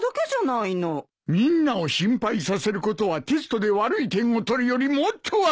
みんなを心配させることはテストで悪い点を取るよりもっと悪い！